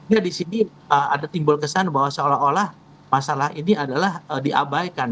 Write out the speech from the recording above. ya di sini ada timbul kesan bahwa seolah olah masalah ini adalah diabaikan